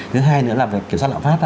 thứ hai nữa là về kiểm soát lạc phát